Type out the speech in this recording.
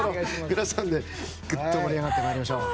皆さんでぐっと盛り上がってまいりましょう。